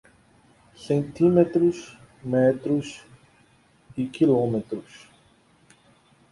Centímetros, metros e quilômetros